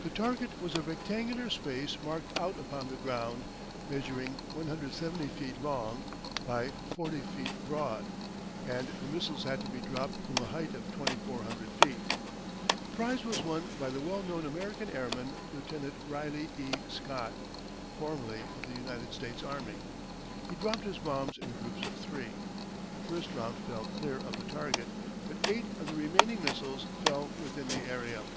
The target was a rectangular space marked out upon the ground, measuring 170 feet long by 40 feet broad, and the missiles had to be dropped from a height of 2,400 feet. The prize was won by the well known American airman, Lieutenant Riley E. Scott, formerly of the United States Army. He dropped his bombs in groups of three. The first round fell clear of the target, but eight of the remaining missiles fell within the area.